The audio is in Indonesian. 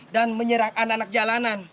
dan menyerang anak anak jalanan